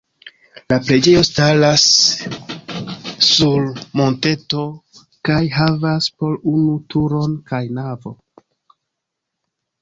La preĝejo staras sur monteto kaj havas po unu turon kaj navo.